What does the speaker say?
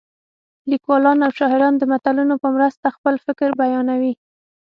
لیکوالان او شاعران د متلونو په مرسته خپل فکر بیانوي